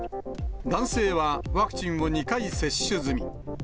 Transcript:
男性はワクチンを２回接種済み。